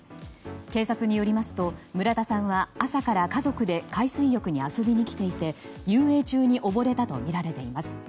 警察によりますと村田さんは朝から家族で海水浴に遊びに来ていて遊泳中に溺れたとみられています。